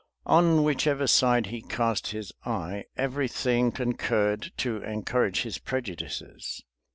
On whichever side he cast his eye, every thing concurred to encourage his prejudices.